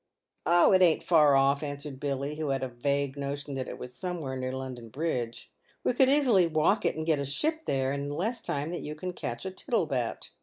"Oh! it ain't far off," answered Billy, who had a vague notion that it was somewhere near London Bridge ; "we could easily walk it and get a ship there, in less time than you can catch a tittlebat."